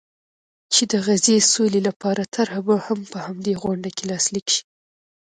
چې د غزې سولې لپاره طرحه به هم په همدې غونډه کې لاسلیک شي.